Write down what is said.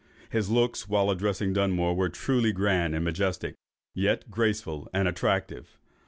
His looks, while addressing Dunmore, were truly grand and majestic, yet graceful and attractive.